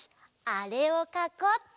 あれをかこうっと！